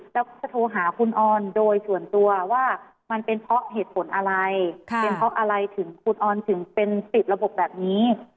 แล้วก็โทรหาคุณออนโดยส่วนตัวว่ามันเป็นเพราะเหตุผลอะไรเป็นเพราะอะไรถึงคุณออนถึงเป็นติดระบบแบบนี้